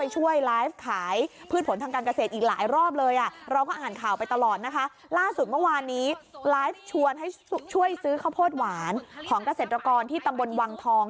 ซื้อข้าวโพดหวานของเกษตรกรที่ตำบลวังทอง